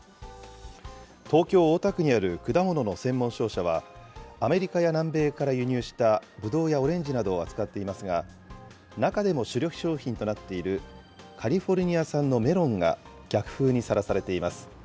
東京・大田区にある果物の専門商社は、アメリカや南米から輸入したブドウやオレンジなどを扱っていますが、中でも主力商品となっているカリフォルニア産のメロンが逆風にさらされています。